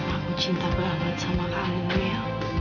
aku cinta banget sama kamu ya